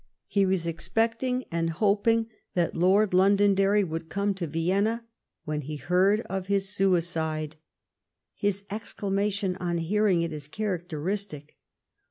He was expecting and hoping that Lord Londonderry would come to Vienna when he heard of his suicide. His exclamation on hearing it is characteristic.